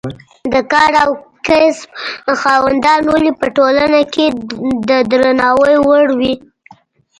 د کار او کسب خاوندان ولې په ټولنه کې د درناوي وړ وي.